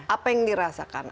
apa yang dirasakan